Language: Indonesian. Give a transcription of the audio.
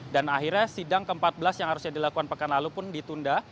dan akhirnya sidang ke empat belas yang harusnya dilakukan pekan lalu pun ditunda